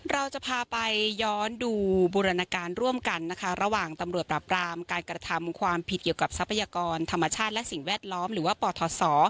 เราจะพาไปย้อนดูบูรณการร่วมกันนะคะระหว่างตำรวจปราบรามการกระทำความผิดเกี่ยวกับทรัพยากรธรรมชาติและสิ่งแวดล้อมหรือว่าปทศ